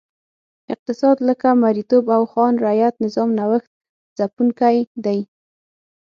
اقتصاد لکه مریتوب او خان رعیت نظام نوښت ځپونکی دی.